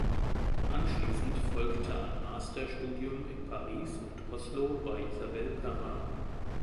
Anschließend folgte ein Masterstudium in Paris und Oslo bei Isabelle Perrin.